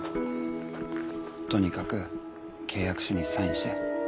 とにかく契約書にサインして。